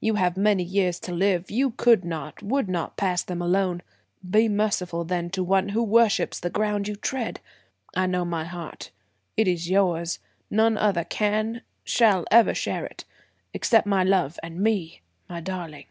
You have many years to live; you could not, would not pass them alone. Be merciful then to one who worships the ground you tread! I know my heart. It is yours. None other can, shall ever share it. Accept my love and me, my darling!"